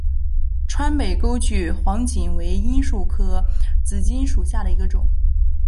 川北钩距黄堇为罂粟科紫堇属下的一个种。